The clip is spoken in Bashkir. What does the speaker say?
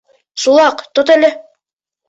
— Сулаҡ, тот әле.